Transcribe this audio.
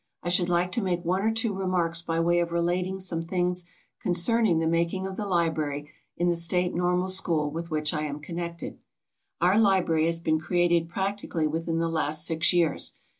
I should like to make one or two remarks by way of relating some things concerning the making of the library in the State Normal School with which I am connected. Our library has been created practically within the last six years.